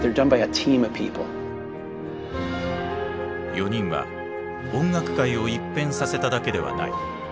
４人は音楽界を一変させただけではない。